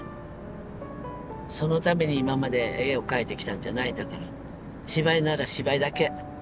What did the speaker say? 「そのために今まで絵を描いてきたんじゃないんだから芝居なら芝居だけ。